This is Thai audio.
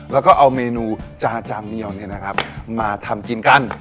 แล้วก็เอาเมนูจานเดียวมาทำกินกัน